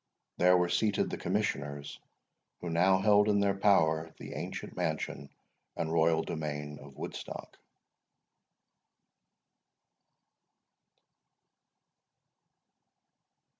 There were seated the Commissioners, who now held in their power the ancient mansion and royal domain of Woodstock.